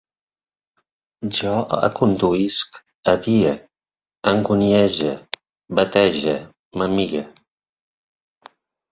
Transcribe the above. Jo aconduïsc, adie, anguniege, botege, m'amigue